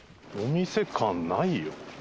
お店感ないよ。